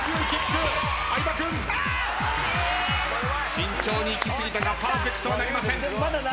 慎重にいき過ぎたかパーフェクトはなりません。